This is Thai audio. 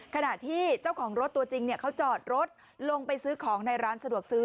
ขณะที่เจ้าของรถตัวจริงเขาจอดรถลงไปซื้อของในร้านสะดวกซื้อ